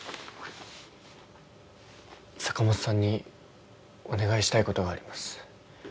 坂本さんにお願いしたいことがあります。